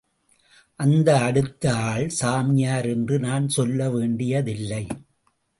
அந்த அடுத்த ஆள் சாமியார் என்று நான் சொல்ல வேண்டியதில்லை.